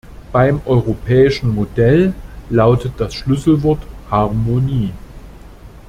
Beim europäischen Modell lautet das Schlüsselwort "Harmonie" .